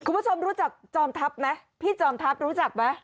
คุณผู้ชมรู้จักจอมทัพไหมพี่จอมทัพรู้จักไหม